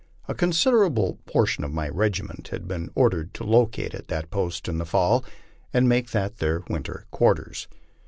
A considerable portion of my regiment had been ordered to locate at that post in the fall, and make that their winter quarters.